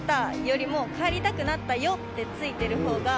「帰りたくなったよ」ってついてる方が